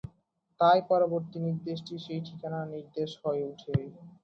তাই, পরবর্তী নির্দেশটি সেই ঠিকানার নির্দেশ হয়ে ওঠে।